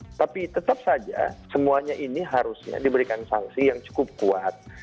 tetapi tetap saja semuanya ini harusnya diberikan sanksi yang cukup kuat